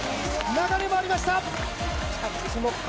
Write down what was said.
流れもありました！